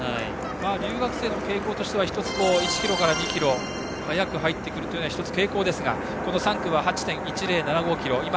留学生の傾向としては１つ、１ｋｍから２ｋｍを速く入ってくるというのが１つの傾向ですがこの３区は８．１０７５ｋｍ。